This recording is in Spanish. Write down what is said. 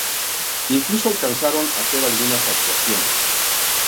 Incluso alcanzaron a hacer algunas actuaciones.